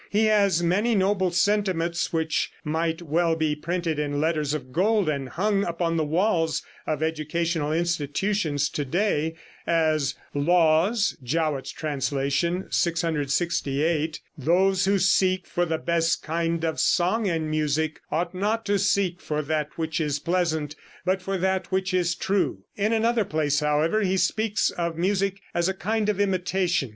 He has many noble sentiments which might well be printed in letters of gold and hung upon the walls of educational institutions to day, as ("Laws," Jowett's translation, 668): "Those who seek for the best kind of song and music, ought not to seek for that which is pleasant, but for that which is true." In another place, however, he speaks of music as a kind of imitation.